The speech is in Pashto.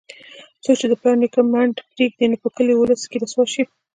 څوک چې د پلار نیکه منډ پرېږدي، نو په کلي اولس کې رسوا شي.